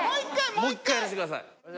もう１回やらせてください。